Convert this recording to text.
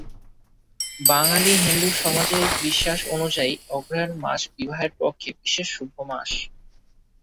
বাঙালি হিন্দু সমাজের বিশ্বাস অনুযায়ী, অগ্রহায়ণ মাস বিবাহের পক্ষে বিশেষ শুভ মাস।